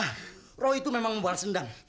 nah raw itu memang membahar sendang